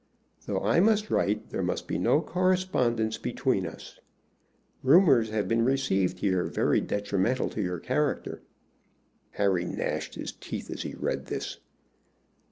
Though I must write, there must be no correspondence between us. Rumors have been received here very detrimental to your character." Harry gnashed his teeth as he read this.